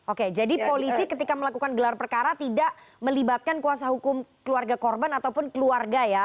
oke jadi polisi ketika melakukan gelar perkara tidak melibatkan kuasa hukum keluarga korban ataupun keluarga ya